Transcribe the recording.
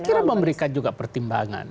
saya kira memberikan juga pertimbangan